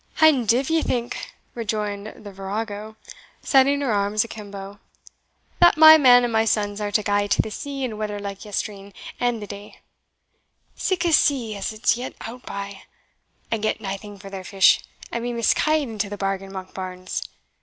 "And div ye think," rejoined the virago, setting her arms akimbo, "that my man and my sons are to gae to the sea in weather like yestreen and the day sic a sea as it's yet outby and get naething for their fish, and be misca'd into the bargain, Monkbarns?